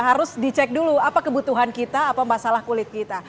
harus dicek dulu apa kebutuhan kita apa masalah kulit kita